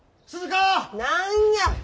何や！